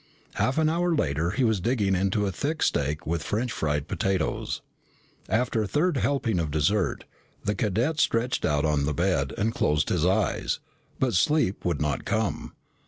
Half an hour later he was digging into a thick steak with French fried potatoes. After a third helping of dessert, the cadet stretched out on the bed and closed his eyes. But sleep would not come.